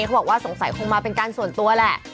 เขาบอกว่าสงสัยคงมาเป็นการส่วนตัวแหละ